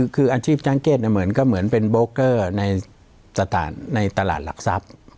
คืออาชีพช่างเกศก็เหมือนเป็นโบรกเตอร์ในตลาดหลักทรัพย์